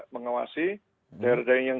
mengawasi daerah daerah yang